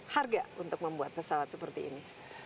harga untuk membuat pesawat seperti ini